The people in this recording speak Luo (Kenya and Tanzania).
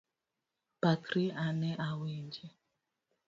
Pakri ane awinji.